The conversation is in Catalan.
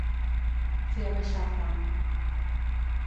Fer abaixar el cant.